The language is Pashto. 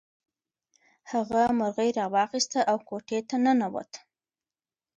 هغه مرغۍ راواخیسته او کوټې ته ننووت.